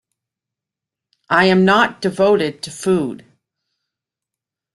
I am not devoted to food!